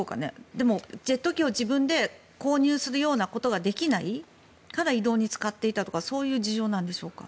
でも、ジェット機を自分で購入するようなことができないから移動に使っていたとかそういう事情なんでしょうか？